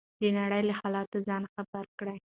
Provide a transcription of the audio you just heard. د نړۍ له حالاتو ځان خبر کړئ.